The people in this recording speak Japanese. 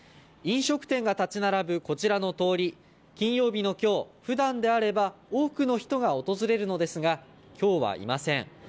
飲食店が立ち並ぶ、こちらの通り金曜日の今日、普段であれば多くの人が訪れるのですが今日はいません。